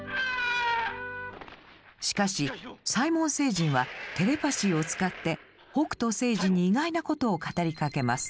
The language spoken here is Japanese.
しかしサイモン星人はテレパシーを使って北斗星司に意外なことを語りかけます。